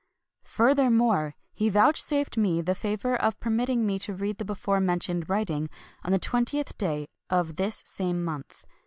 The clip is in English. Furthermore, he vouchsafed me the favor of permitting me to read the before mentioned writing, on the twentieth day of this same month.